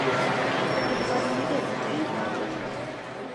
Толькі дакладна не ведаем, па якім артыкуле.